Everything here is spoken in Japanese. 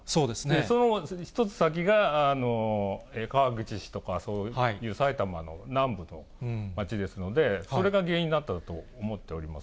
その一つ先が川口市とかそういう埼玉の南部の街ですので、それが原因だったんだと思っています。